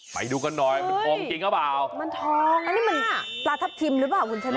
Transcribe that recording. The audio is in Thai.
ไปดูกันหน่อยมันทองจริงหรือเปล่ามันทองอันนี้มันปลาทับทิมหรือเปล่าคุณชนะ